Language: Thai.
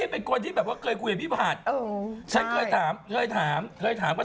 พี่ปายแล้วอ่ะ